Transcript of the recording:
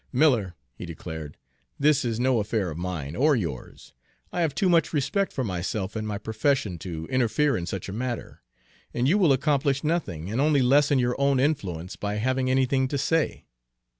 'Miller,' he declared, 'this is no affair of mine, or yours. I have too much respect for myself and my profession to interfere in such a matter, and you will accomplish nothing, and only lessen your own influence, by having anything to say.'